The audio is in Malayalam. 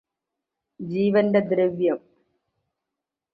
ജീവന്റെ ദ്രവ്യം